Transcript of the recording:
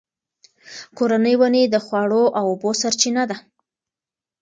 کورني ونې د خواړو او اوبو سرچینه ده.